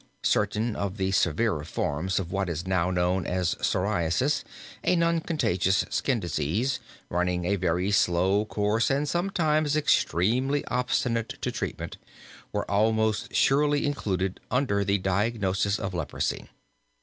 Certain of the severer forms of what is now known as psoriasis a non contagious skin disease running a very slow course and sometimes extremely obstinate to treatment, were almost surely included under the diagnosis of leprosy.